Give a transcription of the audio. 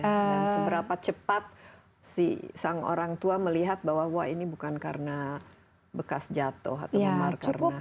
berapa cepat si orang tua melihat bahwa ini bukan karena bekas jatuh atau memar